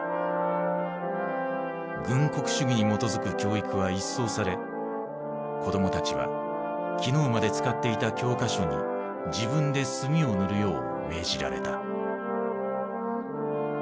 軍国主義に基づく教育は一掃され子供たちは昨日まで使っていた教科書に自分で墨を塗るよう命じられた。